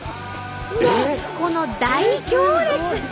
でこの大行列！